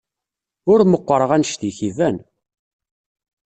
Ur meqqreɣ annect-ik, iban.